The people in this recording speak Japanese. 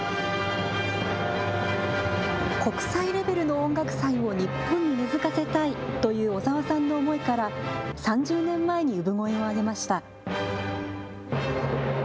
国際レベルの音楽祭を日本に根づかせたいという小澤さんの思いから３０年前に産声を上げました。